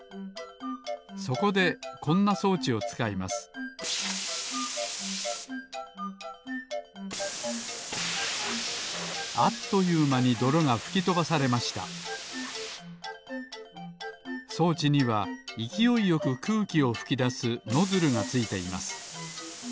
そこでこんなそうちをつかいますあっというまにどろがふきとばされましたそうちにはいきおいよくくうきをふきだすノズルがついています。